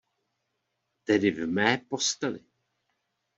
Tedy v mé posteli!